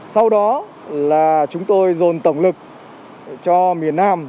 sau đó là chúng tôi dồn tổng lực cho miền nam